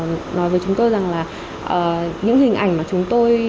những hình ảnh mà chúng tôi nhận ra là không đúng như những hình ảnh mà chúng tôi nhận ra